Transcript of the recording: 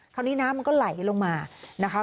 คราวนี้น้ำมันก็ไหลลงมานะคะ